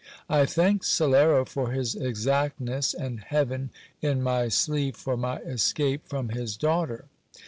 I thanked Salero for his exactness, and heaven in my sleeve for my escape from his daughter.